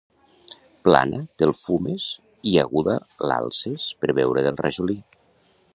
Plana te'l fumes i aguda l'alces per beure del rajolí.